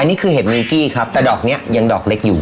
นี่คือเห็ดเมงกี้ครับแต่ดอกนี้ยังดอกเล็กอยู่